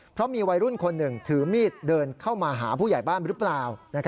เพราะมีวัยรุ่นคนหนึ่งถือมีดเดินเข้ามาหาผู้ใหญ่บ้านหรือเปล่า